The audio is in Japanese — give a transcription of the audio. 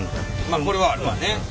あっこれはあるわね。